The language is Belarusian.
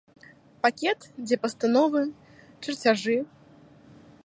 Пакет, дзе пастановы, чарцяжы.